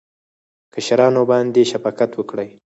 کشرانو باندې شفقت وکړئ